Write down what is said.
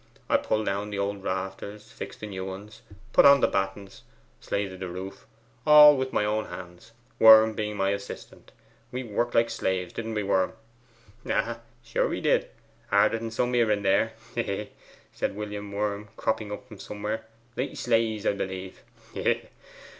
I pulled down the old rafters, fixed the new ones, put on the battens, slated the roof, all with my own hands, Worm being my assistant. We worked like slaves, didn't we, Worm?' 'Ay, sure, we did; harder than some here and there hee, hee!' said William Worm, cropping up from somewhere. 'Like slaves, 'a b'lieve hee, hee!